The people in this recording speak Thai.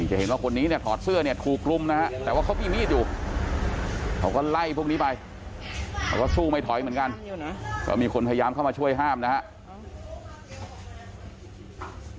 จะเห็นว่าคนนี้เนี่ยถอดเสื้อเนี่ยถูกรุมนะฮะแต่ว่าเขามีมีดอยู่เขาก็ไล่พวกนี้ไปเขาก็สู้ไม่ถอยเหมือนกันก็มีคนพยายามเข้ามาช่วยห้ามนะครับ